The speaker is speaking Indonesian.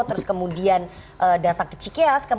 terus kemudian datang ke cikeas